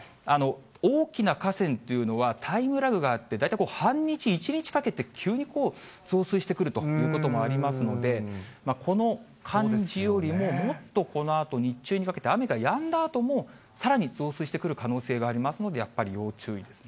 大きな河川というのは、タイムラグがあって、大体半日、１日かけて急にこう増水してくるということもありますので、この感じよりも、もっとこのあと日中にかけて、雨がやんだあとも、さらに増水してくる可能性がありますので、やっぱり要注意ですね。